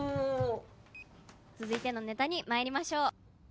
「続いてのネタにまいりましょう」。